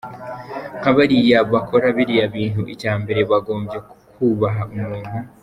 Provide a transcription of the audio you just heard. Nka bariya bakora biriya bintu icya mbere bagombye kubaha umuntu.